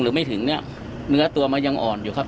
หรือไม่ถึงเนี่ยเนื้อตัวมันยังอ่อนอยู่ครับ